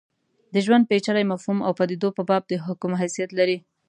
د ژوند پېچلي مفهوم او پدیدو په باب د حکم حیثیت لري.